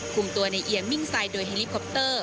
ภูมิตัวในเอียมมิ่งไซด์โดยเฮลลี่พอปเตอร์